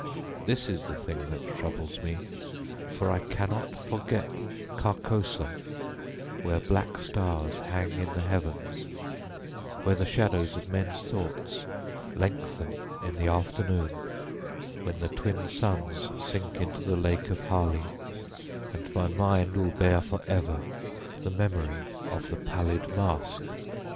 This is the thing that troubles me, for I cannot forget Carcosa where black stars hang in the heavens; where the shadows of men's thoughts lengthen in the afternoon, when the twin suns sink into the lake of Hali; and my mind will bear for ever the memory of the Pallid Mask.